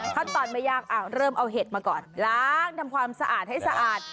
ขั้นตอนไม่ยากเริ่มเอาเห็ดมาก่อนล้างทำความสะอาดให้สะอาด